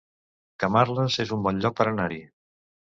Camarles es un bon lloc per anar-hi